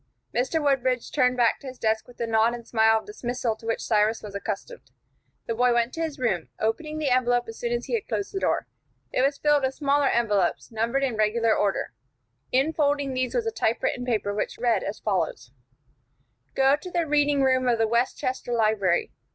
Mr. Woodbridge turned back to his desk with the nod and smile of dismissal to which Cyrus was accustomed. The boy went to his room, opening the envelope as soon as he had closed the door. It was filled with smaller envelopes, numbered in regular order. Infolding these was a typewritten paper, which read as follows: "Go to the reading room of the Westchester Library.